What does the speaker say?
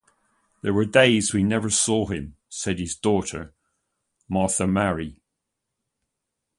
"There were days we never saw him," said his daughter Martha Maria.